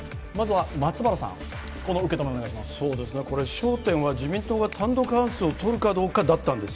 焦点は自民党が単独過半数を取るかどうかだったんです。